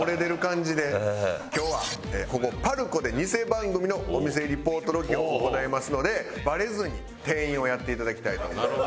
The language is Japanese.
今日はここＰＡＲＣＯでニセ番組のお店リポートロケを行いますのでバレずに店員をやっていただきたいと思います。